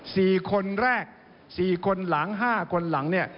สี่คนแรกสี่คนหลังห้าคนหลังเนี่ย